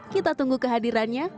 kita tunggu kehadirannya